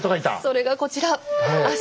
それがこちら。